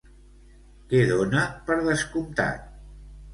Què dona per descomptat?